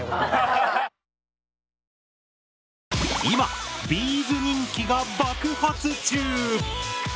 今ビーズ人気が爆発中！